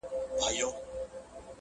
ستا پسرلي ته به شعرونه جوړ کړم.!